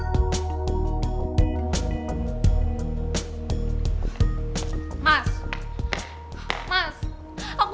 mengusir temen temen aku